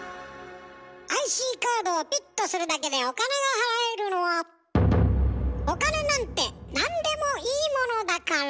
ＩＣカードをピッとするだけでお金が払えるのはお金なんてなんでもいいものだから。